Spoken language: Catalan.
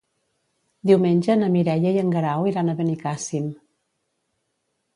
Diumenge na Mireia i en Guerau iran a Benicàssim.